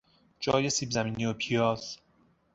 جای سیب زمینی و پیاز